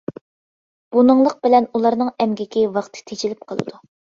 بۇنىڭلىق بىلەن ئۇلارنىڭ ئەمگىكى ۋاقتى تېجىلىپ قالىدۇ.